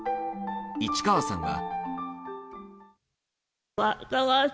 市川さんは。